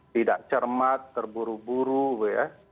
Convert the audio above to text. tidak cermat terburu buru ya